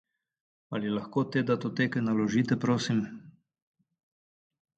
Ali lahko te datoteke naložite, prosim?